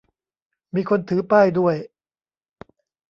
มีคนถือป้ายด้วย